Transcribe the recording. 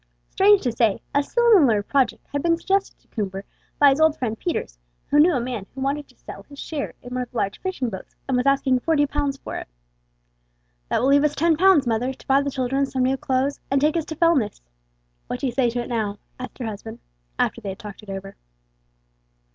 Strange to say, a similar project had been suggested to Coomber by his old friend Peters, who knew a man who wanted to sell his share in one of the large fishing boats, and was asking forty pounds for it. "That will leave us ten pounds, mother, to buy the children some new clothes, and take us to Fellness. What do you say to it now?" asked her husband, after they had talked it over.